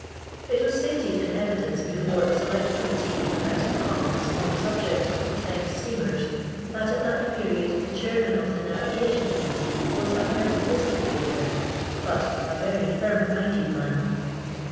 It wa^ stated in evidence before a Select Com^li^ tee of th? House of Commons on the subject of iHe Thames steamers, that at that period the Chai^ man of the Naeigation Committee was a bread and biscuit baker, but " a very flrm minded man."